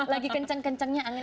lagi kenceng kencengnya angin